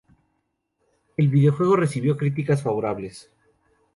El videojuego recibió críticas favorables.